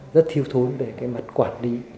rất thiếu thối về mặt quản lý